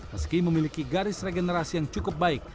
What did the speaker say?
meski memiliki garis regenerasi yang cukup baik